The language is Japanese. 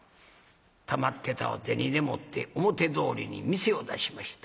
たまってた銭でもって表通りに店を出しました。